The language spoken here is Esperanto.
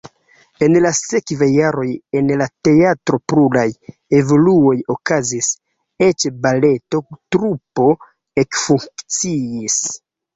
En la sekvaj jaroj en la teatro pluraj evoluoj okazis, eĉ baleto trupo ekfunkciis.